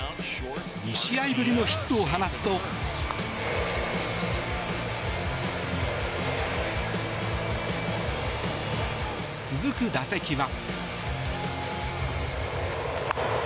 ２試合ぶりのヒットを放つと続く打席は。